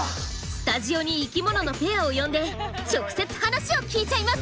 スタジオに生きもののペアを呼んで直接話を聞いちゃいます！